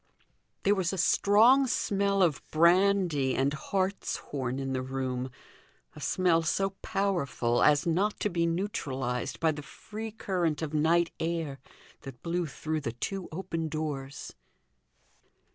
There was a strong smell of brandy and hartshorn in the room; a smell so powerful as not to be neutralized by the free current of night air that blew through the two open doors.